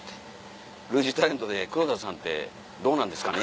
「類似タレントで黒田さんってどうなんですかね」。